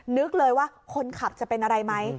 นึกเลยว่าคนขับจะเป็นอะไรไหม